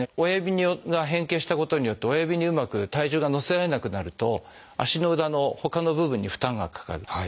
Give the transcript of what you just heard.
親指が変形したことによって親指にうまく体重が乗せられなくなると足の裏のほかの部分に負担がかかる。